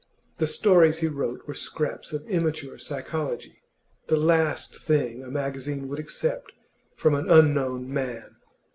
The stories he wrote were scraps of immature psychology the last thing a magazine would accept from an unknown man.